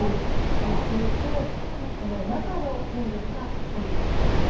そうするとこの中の金属がサビてしまう。